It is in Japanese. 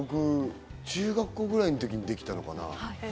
中学校ぐらいの時にできたのかな。